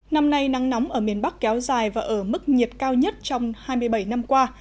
năm nay nắng nóng ở miền bắc kéo dài và ở mức nhiệt cao nhất trong hai mươi bảy năm qua